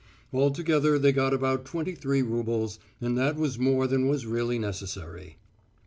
Altogether they got about twenty three roubles, and that was more than was really necessary.